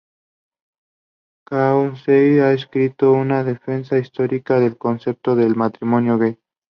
Chauncey ha escrito una defensa histórica del concepto del matrimonio gay.